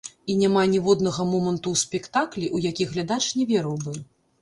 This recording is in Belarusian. І няма ніводнага моманту ў спектаклі, у які глядач не верыў бы.